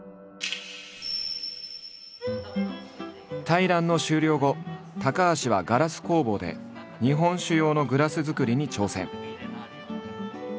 対談の終了後高橋はガラス工房で日本酒用のグラスづくりに挑戦！